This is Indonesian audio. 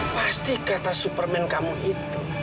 pasti kata superman kamu itu